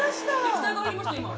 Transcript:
液体が入りました今。